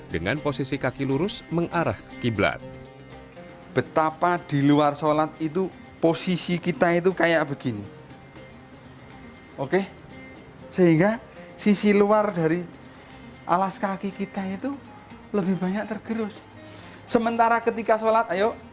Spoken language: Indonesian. dengan posisi kaki lurus mengarah kiblat